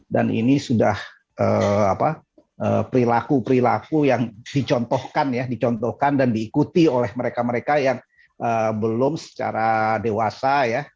dan ini sudah perilaku perilaku yang dicontohkan dan diikuti oleh mereka mereka yang belum secara dewasa